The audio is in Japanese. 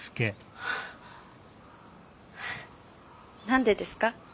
何でですか？